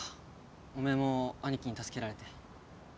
おめえもアニキに助けられて。